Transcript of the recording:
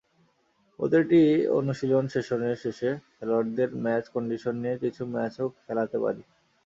প্রতিটি অনুশীলন সেশনের শেষে খেলোয়াড়দের ম্যাচ কন্ডিশনে নিয়ে কিছু ম্যাচও খেলাতে পারি।